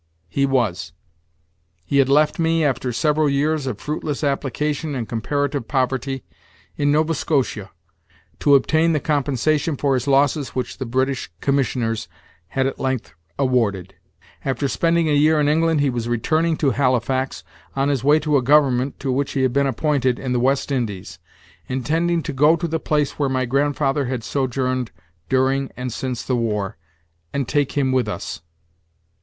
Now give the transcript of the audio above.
"He was. He had left me, after several years of fruit less application and comparative poverty, in Nova Scotia, to obtain the compensation for his losses which the British commissioners had at length awarded. After spending a year in England, he was returning to Halifax, on his way to a government to which he had been appointed, in the West Indies, intending to go to the place where my grandfather had sojourned during and since the war, and take him with us."